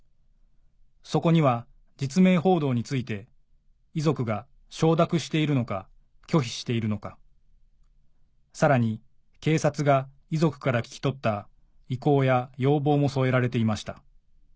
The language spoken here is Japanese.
そこには実名報道について遺族が承諾しているのか拒否しているのかさらに警察が遺族から聞き取った意向や要望も添えられていました